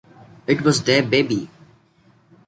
It was their baby.